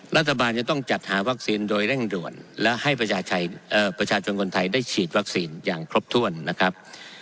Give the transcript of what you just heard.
รัฐบาลจะต้องจัดหาวัคซีนโดยเร่งด่วนและให้ประชาชนคนไทยได้ฉีดวัคซีนอย่างครบถ้วนนะครับ